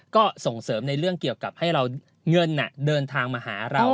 ก็ส่งเสริมในเรื่องเกี่ยวกับให้เราเงินเดินทางมาหาเรา